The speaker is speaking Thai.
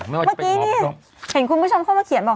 เมื่อกี้นี่เห็นคุณผู้ชมเข้ามาเขียนบอก